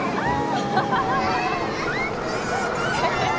はい。